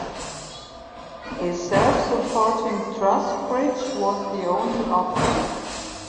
A self-supporting truss bridge was the only option.